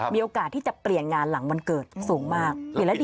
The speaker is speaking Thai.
มีโอกาสที่จะเปลี่ยนงานหลังวันเกิดสูงมาก